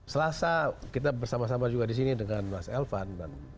selasa kita bersama sama juga disini dengan mas elvan